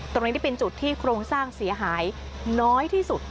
ตรงนี้ที่เป็นจุดที่โครงสร้างเสียหายน้อยที่สุด